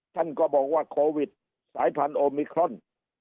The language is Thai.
ท่านก็บอกว่าโควิดสายพันธุมิครอน